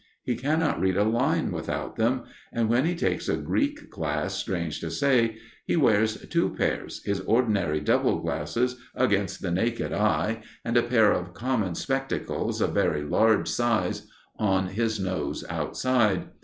He cannot read a line without them, and when he takes a Greek class, strange to say, he wears two pairs his ordinary double glasses, against the naked eye, and a pair of common spectacles, of very large size, on his nose outside.